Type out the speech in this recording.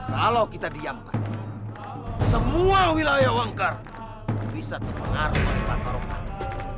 kalau kita diamkan semua wilayah wangkar bisa terpengaruhi batarokatuh